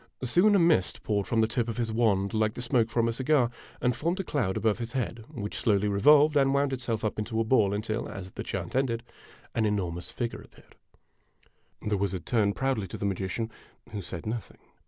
Soon, a mist poured from the tip of his wand, like the smoke from a cigar, and formed a cloud above his head, which slowly revolved and wound itself up into a ball until, as the chant ended, an enormous figure appeared. The wizard turned proudly to the magician, who said nothing.